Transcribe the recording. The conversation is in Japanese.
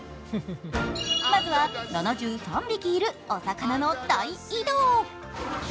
まずは７３匹いるお魚の大移動。